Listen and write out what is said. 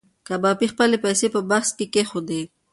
کبابي خپلې پیسې په بکس کې کېښودې.